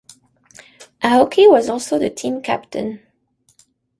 Aoki was also the team captain.